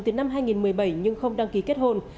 từ năm hai nghìn một mươi bảy nhưng không đăng ký kết hôn